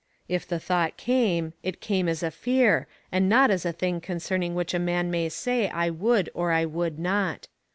If the thought came, it came as a fear, and not as a thing concerning which a man may say I would or I would not.